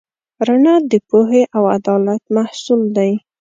رڼا د پوهې او عدالت محصول دی.